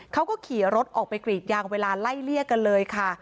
เขาก็ขี่รถออกไปกรีดยางเวลาไล่เลี่ยกันเลยค่ะ